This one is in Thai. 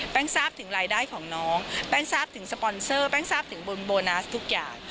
ทราบถึงรายได้ของน้องแป้งทราบถึงสปอนเซอร์แป้งทราบถึงบนโบนัสทุกอย่าง